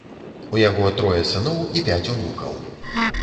У яго трое сыноў і пяць унукаў.